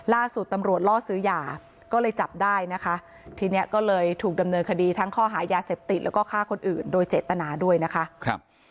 ล่าสุดตำรวจล่อซื้อยาก็เลยจับได้นะคะทีนี้ก็เลยถูกดำเนินคดีทั้งข้อหายาเสพติดแล้วก็ฆ่าคนอื่นโดยเจตนาด้วยนะคะครับ